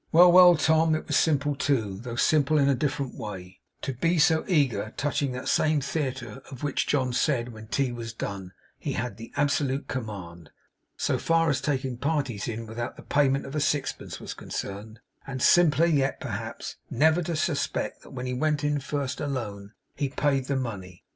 Well, well, Tom, it was simple too, though simple in a different way, to be so eager touching that same theatre, of which John said, when tea was done, he had the absolute command, so far as taking parties in without the payment of a sixpence was concerned; and simpler yet, perhaps, never to suspect that when he went in first, alone, he paid the money!